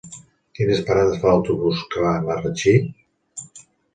Quines parades fa l'autobús que va a Marratxí?